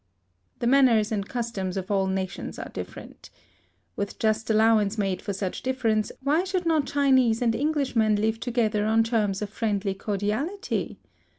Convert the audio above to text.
The manners and customs of all nations are different. With just allowance made for such difference, why should not Chinese and Englishmen live together on terms of friendly cordiality?